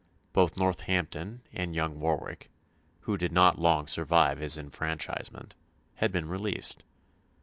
Both Northampton and young Warwick who did not long survive his enfranchisement had been released.